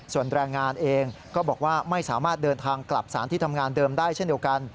ส่วนแรงงานเองก็บอกว่าไม่สามารถเดินทางกลับสารที่ทำงานเดิมได้เช่นเดียวกัน